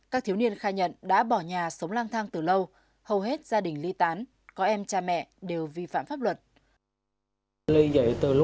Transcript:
các thiếu niên khai nhận đã bỏ nhà sống lang thang từ lâu hầu hết gia đình ly tán có em cha mẹ đều vi phạm pháp luật